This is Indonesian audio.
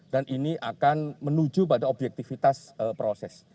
dan ini akan menuju pada objektifitas proses